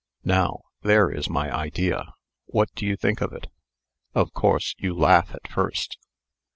Now, there is my idea. What do you think of it? Of course, you laugh, at first."